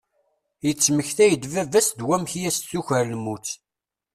Yettmektay-d baba-s d wamk i as-tuker lmut.